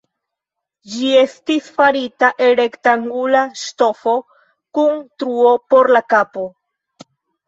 Ĝi estis farita el rektangula ŝtofo kun truo por la kapo.